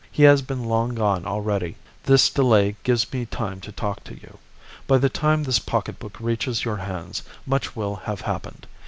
He has been long gone already. This delay gives me time to talk to you. By the time this pocket book reaches your hands much will have happened.